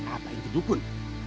apa itu dukun